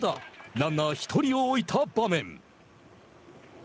ランナー１人を置いた場面。